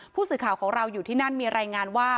ผู้สื่อข่าวของเราอยู่ที่นั่นมีรายงานว่า